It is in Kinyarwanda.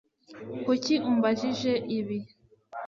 Kuki umbajije ibi